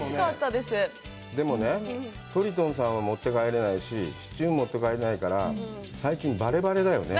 でも、トリトンさんは持って帰れないし、シチュー持って帰れないから、最近、バレバレだよね。